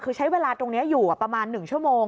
คือใช้เวลาตรงนี้อยู่ประมาณ๑ชั่วโมง